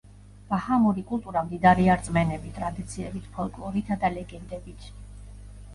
ბაჰამური კულტურა მდიდარია რწმენებით, ტრადიციებით, ფოლკლორითა და ლეგენდებით.